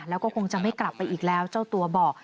แล้วก็คงจะไม่กลับไปอีกแล้วเจ้าตัวบอก